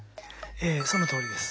ええそのとおりです。